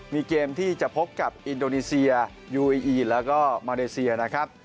มีเกมที่จะพบกับอินโดนีเซียยูอีอีแล้วก็มาเลเซียนะครับ